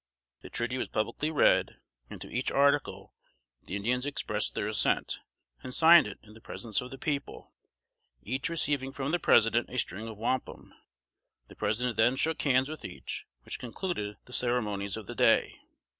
The treaty was publicly read, and to each article the Indians expressed their assent, and signed it in the presence of the people, each receiving from the President a string of wampum. The President then shook hands with each, which concluded the ceremonies of the day.